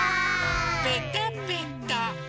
ぺたぺた。